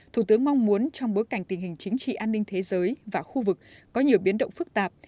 thủ tướng mong muốn trong bối cảnh tình hình chính trị an ninh thế giới và khu vực có nhiều biến động phức tạp